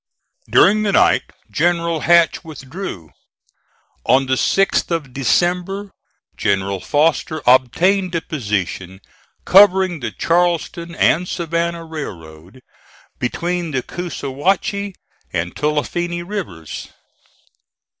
During the night General Hatch withdrew. On the 6th of December General Foster obtained a position covering the Charleston and Savannah Railroad, between the Coosawhatchie and Tulifinny rivers.